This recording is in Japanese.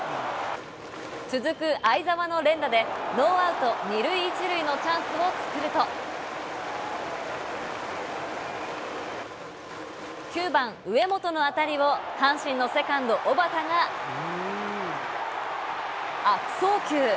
続く會澤の連打で、ノーアウト２塁１塁のチャンスを作ると、９番上本の当たりを阪神のセカンド、小幡が悪送球。